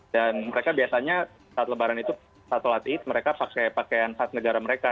dan mereka biasanya saat lebaran itu saat sholat id mereka pakaian saat negara mereka